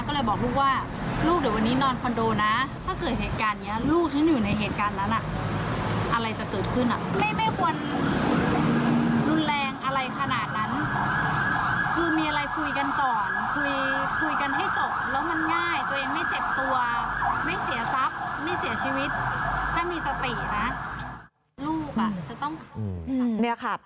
ครับไม่เสียชีวิตถ้ามีสตินะลูกจะต้องขับ